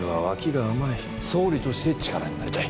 総理として力になりたい。